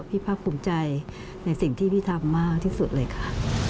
ภาคภูมิใจในสิ่งที่พี่ทำมากที่สุดเลยค่ะ